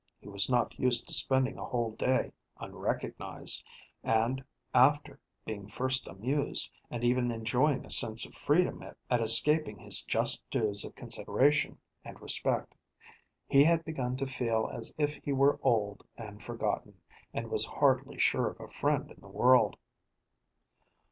He was not used to spending a whole day unrecognized, and, after being first amused, and even enjoying a sense of freedom at escaping his just dues of consideration and respect, he had begun to feel as if he were old and forgotten, and was hardly sure of a friend in the world.